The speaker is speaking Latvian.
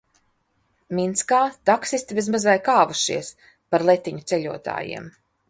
Minskā taksisti bez maz vai kāvušies par letiņu ceļotājiem.